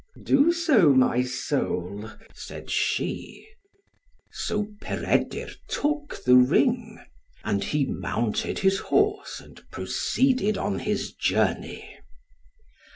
"Do so, my soul," said she. So Peredur took the ring. And he mounted his horse, and proceeded on his journey.